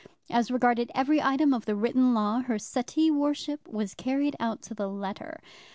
As regarded every item of the written law her suttee worship was carried out to the letter.